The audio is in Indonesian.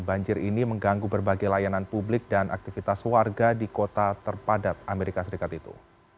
banjir ini mengganggu berbagai layanan publik dan aktivitas warga di kota terpadat amerika serikat itu